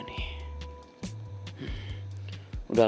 bisa deh itu gw cari